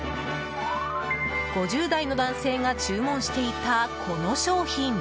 ５０代の男性が注文していたこの商品！